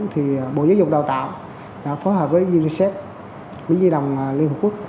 thì bộ giáo dục và đào tạo đã phối hợp với unicef với di lòng liên hợp quốc